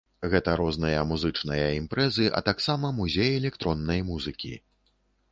Гэта розныя музычныя імпрэзы, а таксама музей электроннай музыкі.